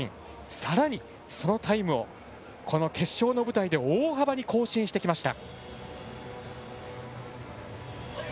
さらに、そのタイムをこの決勝の舞台で大幅に更新してきました。